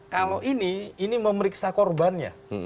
kalau ini ini memeriksa korbannya